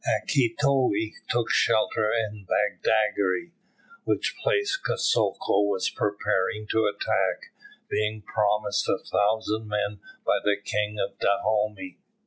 Akitoye took shelter in Badagry, which place Kosoko was preparing to attack, being promised a thousand men by the King of Dahomey.